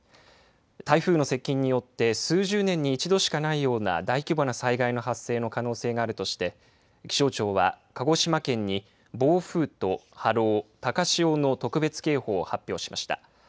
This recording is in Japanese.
台風の接近によって数十年に一度しかないような大規模な災害の発生の可能性があるとして気象庁は、鹿児島県に暴風と波浪高潮の特別警報を発表しました。